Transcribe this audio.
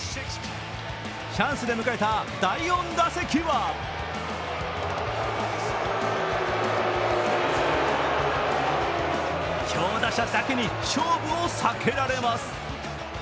チャンスで迎えた第４打席は強打者だけに勝負を避けられます。